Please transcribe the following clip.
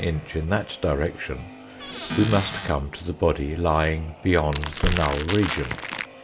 inch in that direction, we must come to the body lying beyond the null region.